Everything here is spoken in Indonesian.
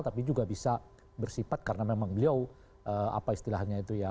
tapi juga bisa bersifat karena memang beliau apa istilahnya itu ya